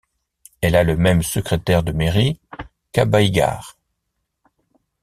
Elle a le même secrétaire de mairie qu'Abáigar.